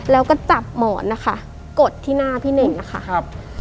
แล้วก็จับหมอนกดที่หน้าพี่เน่งค่ะ